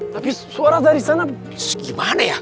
tapi suara dari sana gimana ya